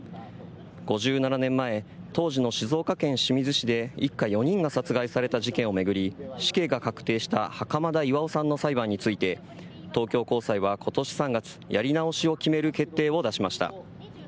５７年前、当時の静岡県清水市で一家４人が殺害された事件を巡り死刑が確定した袴田巌さんの裁判について東京高裁は今年３月やり直しを決める決定を出しました。